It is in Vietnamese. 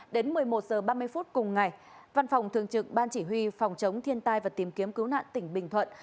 đến một mươi một h ba mươi phút cùng ngày văn phòng thường trực ban chỉ huy phòng chống thiên tai và tìm kiếm cứu nạn tỉnh bình thuận